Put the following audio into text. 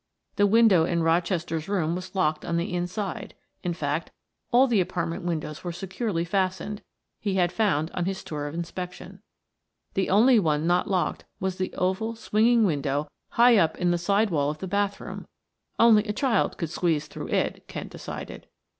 The window in Rochester's room was locked on the inside; in fact, all the apartment windows were securely fastened, he had found on his tour of inspection; the only one not locked was the oval, swinging window high up in the side wall of the bathroom; only a child could squeeze through it, Kent decided.